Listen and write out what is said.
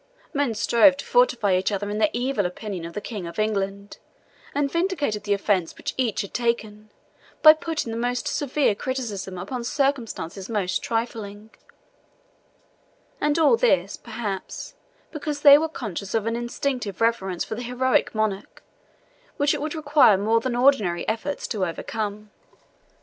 Men strove to fortify each other in their evil opinion of the King of England, and vindicated the offence which each had taken, by putting the most severe construction upon circumstances the most trifling; and all this, perhaps, because they were conscious of an instinctive reverence for the heroic monarch, which it would require more than ordinary efforts to overcome.